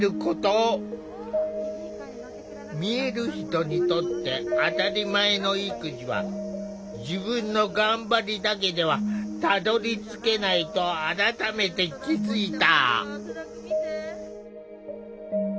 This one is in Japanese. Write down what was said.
見える人にとって当たり前の育児は自分の頑張りだけではたどりつけないと改めて気付いた。